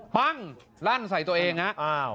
ปั้งลั่นใส่ตัวเองฮะ